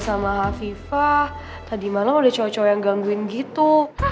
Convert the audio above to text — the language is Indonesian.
gue sama viva tadi malem udah cowok cowok yang gangguin gitu